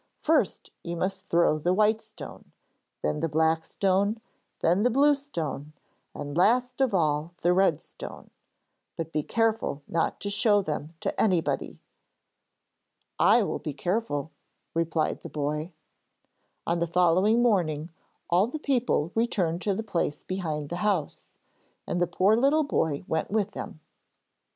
'First you must throw the white stone, then the black stone, then the blue stone, and last of all the red stone. But be careful not to show them to anybody.' 'I will be careful,' replied the boy. On the following morning all the people returned to the place behind the house, and the poor little boy went with them.